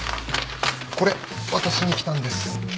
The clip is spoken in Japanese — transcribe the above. これ渡しに来たんです。